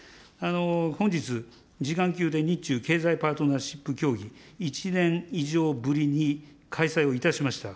本日、次官級で日中経済パートナーシップ協議、１年以上ぶりに開催をいたしました。